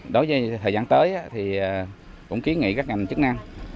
đối với thời gian tới thì cũng kiến nghị các ngành chức năng